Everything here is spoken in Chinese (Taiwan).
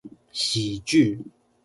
喜劇